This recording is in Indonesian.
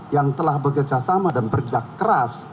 yang telah bekerja sama dan bergerak keras